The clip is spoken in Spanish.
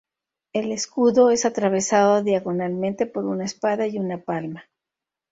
El escudo es atravesado diagonalmente por una espada y una palma.